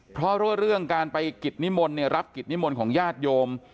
เพราะว่าเรื่องการไปกิจนิมนต์รับกิจนิมนต์ของญาติโยม